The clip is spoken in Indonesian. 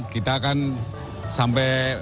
kita akan sampai